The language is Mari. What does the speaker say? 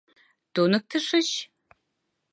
Туныктышыч.